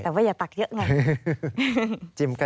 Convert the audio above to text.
แต่ว่าอย่าตักเยอะไง